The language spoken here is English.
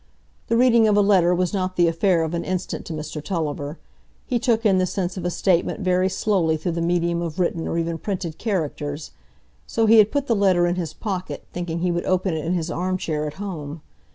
The reading of a letter was not the affair of an instant to Mr Tulliver; he took in the sense of a statement very slowly through the medium of written or even printed characters; so he had put the letter in his pocket, thinking he would open it in his armchair at home.